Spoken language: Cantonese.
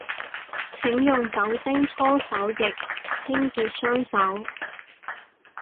請用酒精搓手液清潔雙手